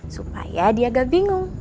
supaya dia gak bingung